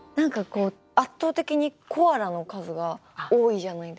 圧倒的にコアラの数が多いじゃないですか。